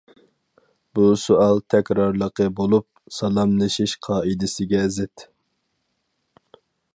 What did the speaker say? بۇ سوئال تەكرارلىقى بولۇپ، سالاملىشىش قائىدىسىگە زىت.